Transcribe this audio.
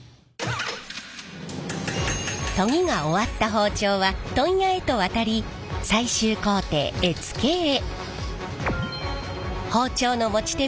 研ぎが終わった包丁は問屋へと渡り最終工程柄付けへ。